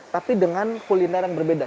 tapi dengan kuliner yang berbeda